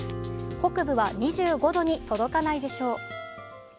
北部は２５度に届かないでしょう。